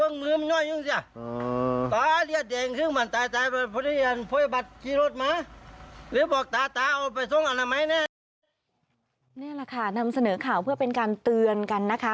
นี่แหละค่ะนำเสนอข่าวเพื่อเป็นการเตือนกันนะคะ